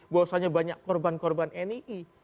bahwasanya banyak korban korban nii